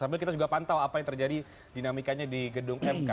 sambil kita juga pantau apa yang terjadi dinamikanya di gedung mk